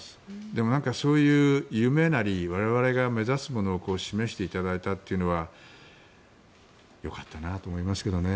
でも、そういう夢なり我々が目指すものを示していただいたというのはよかったなと思いますけどね。